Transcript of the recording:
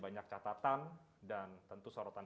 banyak catatan dan tentu sorotan